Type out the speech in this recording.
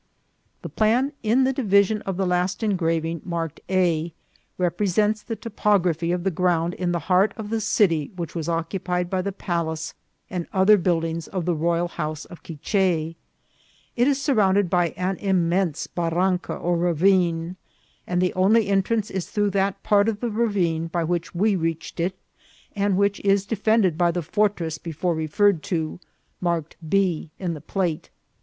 The plan in the division of the last engraving marked A, represents the topography of the ground in the heart of the city which was occupied by the palace and other buildings of the royal house of Quiche. It is surround ed by an immense barranca or ravine, and the only en trance is through that part of the ravine by which we reached it, and which is defended by the fortress before PALACE OF THE QUICHE KINGS. 183 referred to, marked B in the plate.